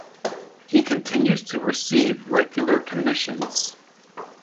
He continues to receive regular commissions.